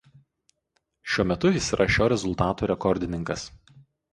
Šiuo metu jis yra šio rezultato rekordininkas.